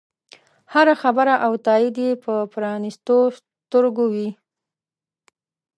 هره خبره او تایید یې په پرانیستو سترګو وي.